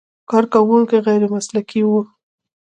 کارکوونکي غیر مسلکي و.